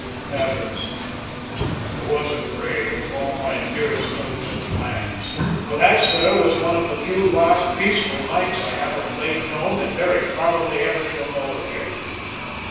Heavens! It was the grave of all my dearest hopes and plans, for that, sir, was one of the few last peaceful nights I have of late known, and very probably ever shall know again!"